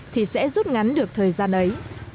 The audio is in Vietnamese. thì sẽ rút ngắn được thời gian ấy